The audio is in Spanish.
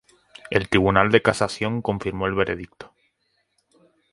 El Tribunal de Casación confirmó el veredicto.